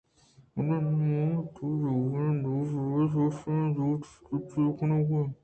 بلے من ءُ تو آ زُبان دوست ءُ راجدوستانی جُھد ءَ ڈالچار کنگ ءَ ایں۔